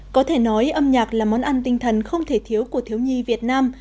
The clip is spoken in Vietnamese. có thể nói âm nhạc là món ăn tinh thần không thể thiếu của thiếu nhi việt nam